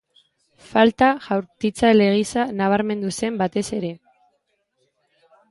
Falta jaurtitzaile gisa nabarmendu zen batez ere.